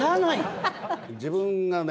自分がね